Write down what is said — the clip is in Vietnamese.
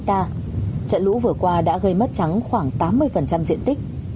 trận lũ vừa qua đã gây mất trắng khoảng tám mươi diện tích